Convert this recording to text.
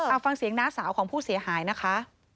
เอาฟังเสียงน้าสาวของผู้เสียหายนะคะ